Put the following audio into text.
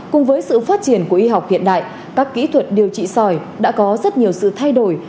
cùng với sự phát triển của y học hiện đại các kỹ thuật điều trị sỏi đã có rất nhiều sự thay đổi